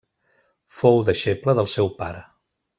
Fou deixeble del seu pare.